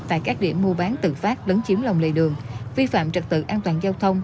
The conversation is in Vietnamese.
tại các điểm mua bán tự phát lấn chiếm lòng lề đường vi phạm trật tự an toàn giao thông